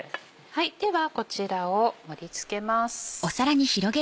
ではこちらを盛り付けます。